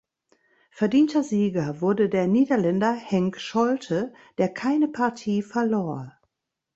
Verdienter Sieger wurde der Niederländer Henk Scholte der keine Partie verlor.